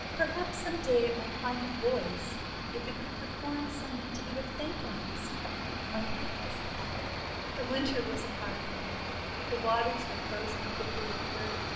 Perhaps some day it might find a voice, if it could perform some deed of thankfulness! Might not this happen? The Winter was a hard one. The waters were frozen thickly over.